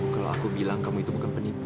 kalau aku bilang kamu itu bukan penipu